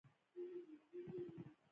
د هند خواړه ډیر مساله دار دي.